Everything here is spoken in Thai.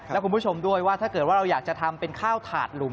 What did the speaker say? และคุณผู้ชมด้วยว่าถ้าเกิดว่าเราอยากจะทำเป็นข้าวถาดหลุม